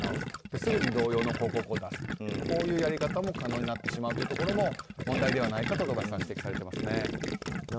すぐに同様の広告を出すというこういうやり方も可能になってしまうというのも問題ではないかと土橋さん指摘されています。